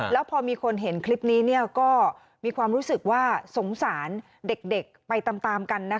แล้วพอมีคนเห็นคลิปนี้ก็มีความรู้สึกว่าสงสารเด็กไปตามกัน